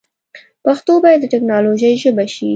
پښتو باید د ټیکنالوجۍ ژبه شي.